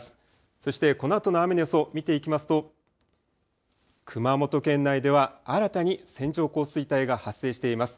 そしてこのあとの雨の予想、見ていきますと熊本県内では新たに線状降水帯が発生しています。